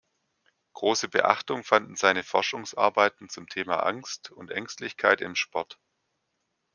Große Beachtung fanden seine Forschungsarbeiten zum Thema Angst und Ängstlichkeit im Sport.